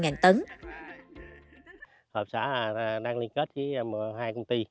hợp tác xã đang liên kết với hai công ty